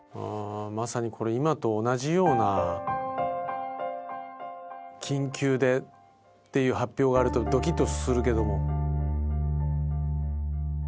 まさにこれ今と同じような緊急でっていう発表があるとドキッとするけども。